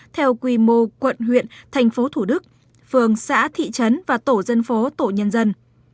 theo quy mô quận huyện thành phố thủ đức phường xã thị trấn và tổ dân phố tổ nhân dân